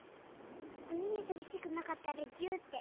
逃げてほしくなかったらギューッて。